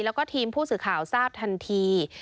แล้วก็ทีมผู้สื่อข่าวทราบทันที